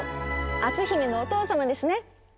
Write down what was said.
篤姫のお父様ですね。